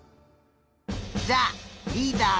じゃあリーダー